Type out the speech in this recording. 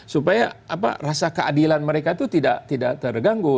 supaya apa rasa keadilan mereka itu tidak terlalu